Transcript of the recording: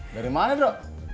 dari mana drok